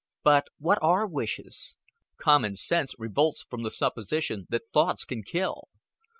But what are wishes? Common sense revolts from the supposition that thoughts can kill.